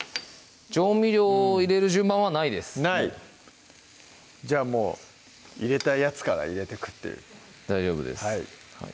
調味料入れる順番はないですないじゃあもう入れたいやつから入れてくっていう大丈夫です